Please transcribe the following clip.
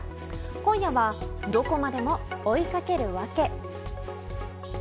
今夜は、どこまでも追いかける訳。